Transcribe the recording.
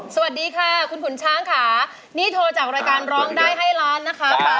สวัสดีค่ะคุณขุนช้างค่ะนี่โทรจากรายการร้องได้ให้ล้านนะคะ